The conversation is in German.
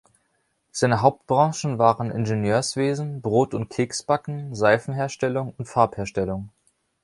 Seine Hauptbranchen waren Ingenieurswesen, Brot- und Keksbacken, Seifenherstellung und Farbherstellung.